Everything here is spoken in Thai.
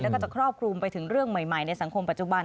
แล้วก็จะครอบคลุมไปถึงเรื่องใหม่ในสังคมปัจจุบัน